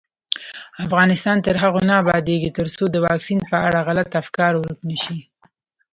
افغانستان تر هغو نه ابادیږي، ترڅو د واکسین په اړه غلط افکار ورک نشي.